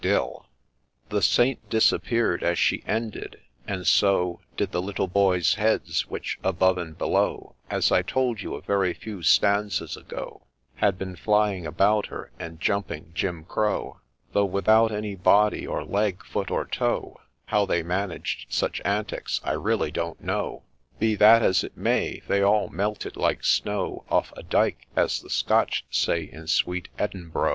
OD1LLE The Saint disappear'd as she ended, and so Did the little boys' heads, which, above and below, As I told you a very few stanzas ago, Had been flying about her, and jumping Jim Crow ; Though, without any body, or leg, foot, or toe, How they managed Such antics, I really don't know ; Be that as it may, they all ' melted like snow Off a dyke,' as the Scotch say in Sweet Edinbro'.